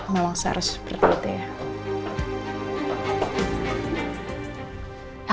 ngomong seharusnya seperti itu ya